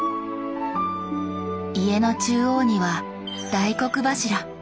家の中央には大黒柱。